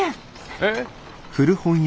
えっ。